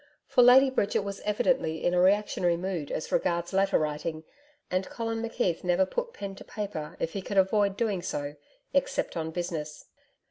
For Lady Bridget was evidently in a reactionary mood as regards letter writing and Colin McKeith never put pen to paper, if he could avoid doing so, except on business.